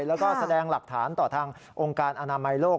แล้วก็แสดงหลักฐานต่อทางองค์การอนามัยโลก